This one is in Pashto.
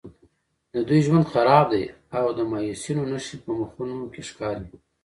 د دوی ژوند خراب دی او د مایوسیو نښې په مخونو کې ښکاري.